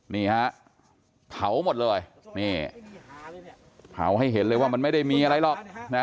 นี่ฮะเผาหมดเลยนี่เผาให้เห็นเลยว่ามันไม่ได้มีอะไรหรอกนะ